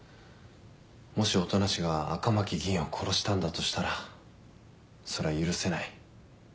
もし音無が赤巻議員を殺したんだとしたらそれは許せない。